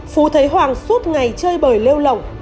phú thấy hoàng suốt ngày chơi bời lêu lộng